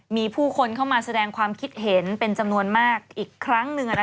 มีผู้คนเข้ามาแสดงความคิดเห็นเป็นจำนวนมากอีกครั้งหนึ่ง